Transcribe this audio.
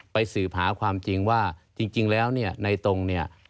สืบหาความจริงว่าจริงแล้วเนี่ยในตรงเนี่ย